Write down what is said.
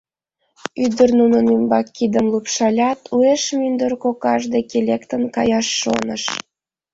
Ӱдыр нунын ӱмбак кидым лупшалят, уэш мӱндыр кокаж деке лектын каяш шоныш.